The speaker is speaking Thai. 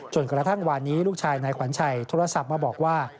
กระทั่งวานนี้ลูกชายนายขวัญชัยโทรศัพท์มาบอกว่า